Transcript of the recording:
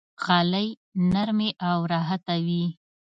غالۍ نرمې او راحته وي.